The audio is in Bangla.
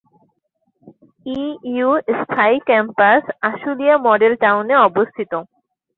ইইউ স্থায়ী ক্যাম্পাস আশুলিয়া মডেল টাউনে অবস্থিত।